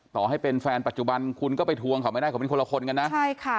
ต่อให้เป็นแฟนปัจจุบันโดยก็ไปทวงถามไม่ได้กับคนละคนนะ